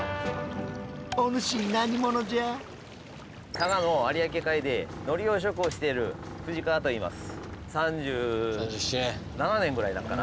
佐賀の有明海で海苔養殖をしている藤川といいます。